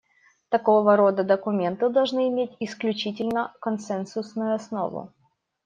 Такого рода документы должны иметь исключительно консенсусную основу.